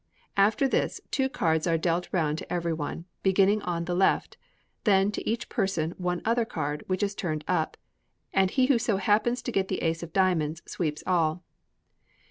After this, two cards are dealt round to every one, beginning on the left; then to each person one other card, which is turned up, and he who so happens to get the ace of diamonds sweeps all.